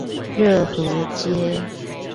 熱河街